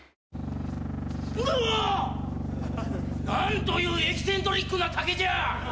うわ！何というエキセントリックな竹じゃ。